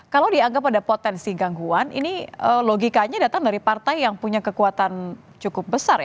kalau dianggap ada potensi gangguan ini logikanya datang dari partai yang punya kekuatan cukup besar ya